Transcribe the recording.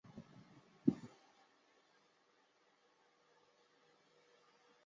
宾得士是在该等级相机中唯一配备恶劣天候可拍摄套装镜头的品牌。